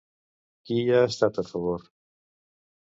Qui hi ha estat a favor?